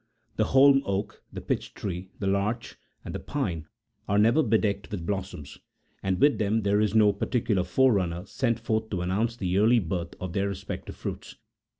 The holm oak, the pitch tree, the larch, and the pine are never bedecked with blossoms, and with them there is no particular forerunner sent forth to an nounce the yearly birth of their respective fruits.